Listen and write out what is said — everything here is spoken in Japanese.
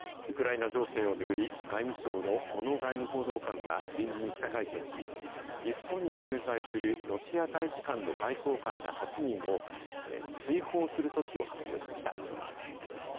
ウクライナ情勢を巡り、外務省の小野外務報道官は臨時に記者会見し、日本に駐在するロシア大使館の外交官ら８人を、追放する措置を発表しました。